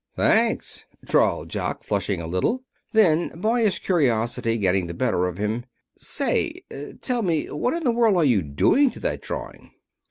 "Thanks," drawled Jock, flushing a little. Then, boyish curiosity getting the better of him, "Say, tell me, what in the world are you doing to that drawing?"